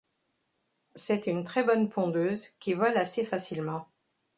C'est une très bonne pondeuse qui vole assez facilement.